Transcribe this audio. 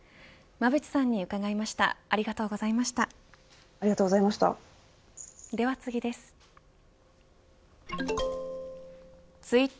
馬渕さんに伺いました。